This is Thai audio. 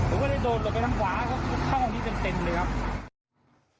ผมก็เลยโดนลงไปทางขวาเขาก็เข้าข้างนี้เป็นเต็มเลยครับ